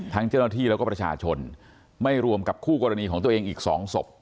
เจ้าหน้าที่แล้วก็ประชาชนไม่รวมกับคู่กรณีของตัวเองอีก๒ศพ